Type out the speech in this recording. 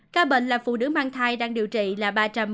ca bệnh là phụ nữ mang thai đang điều trị là ba trăm một mươi một